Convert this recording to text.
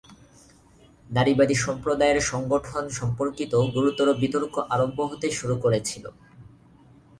নারীবাদী সম্প্রদায়ের সংগঠন সম্পর্কিত গুরুতর বিতর্ক আরম্ভ হতে শুরু করেছিল।